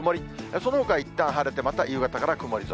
そのほかいったん晴れて、また夕方から曇り空。